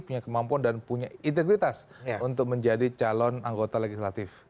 punya kemampuan dan punya integritas untuk menjadi calon anggota legislatif